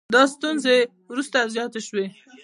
دا ستونزې وروسته زیاتې شوې